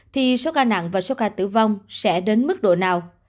thì số ca nặng và số ca tử vong sẽ đến mức độ nào